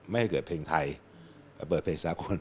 ไม่ให้เกิดเพลงไทยเปิดเพลงสากล